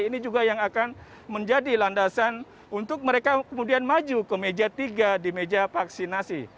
ini juga yang akan menjadi landasan untuk mereka kemudian maju ke meja tiga di meja vaksinasi